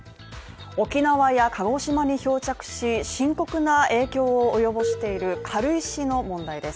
沖縄や鹿児島に漂着し、深刻な影響を及ぼしている軽石の問題です。